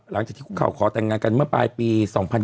หลังจากที่คุกเข่าขอแต่งงานกันเมื่อปลายปี๒๕๕๙